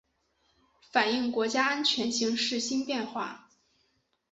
反映国家安全形势新变化